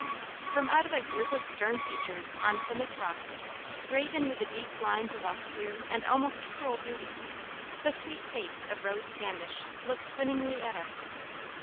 From out of a group of stern features on Plymouth rock, graven with the deep lines of austere and almost cruel duty, the sweet face of Rose Standish looks winningly at us.